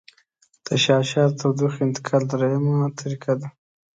تشعشع د تودوخې انتقال دریمه طریقه ده.